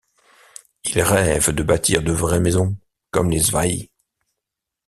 Ils rêvent de bâtir de vraies maisons, comme les Zwaï.